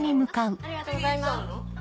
ありがとうございます。